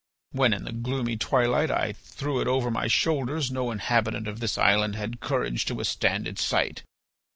When in the gloomy twilight I threw it over my shoulders no inhabitant of this island had courage to withstand its sight.